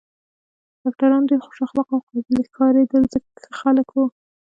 ډاکټران ډېر خوش اخلاقه او قابل ښکارېدل، ښه خلک و.